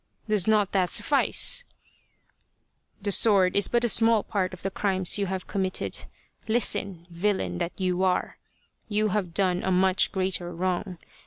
Does not that suffice f "" The sword is but a small part of the crimes you have committed. Listen, villain that you are ! You have done a much greater wrong.